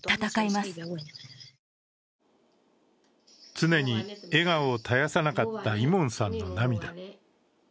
常に笑顔を絶やさなかったイモンさんの涙。